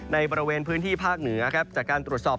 ในบริเวณพื้นที่ภาคเหนือครับจากการตรวจสอบ